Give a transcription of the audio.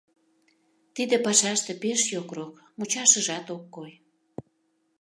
Тиде пашаште пеш йокрок, мучашыжат ок кой.